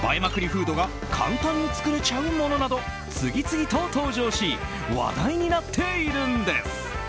フードが簡単に作れちゃうものなど次々と登場し話題になっているんです。